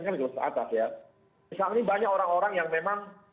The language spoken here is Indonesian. misalnya banyak orang orang yang memang